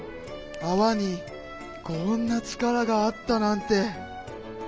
あわにこんなちからがあったなんて。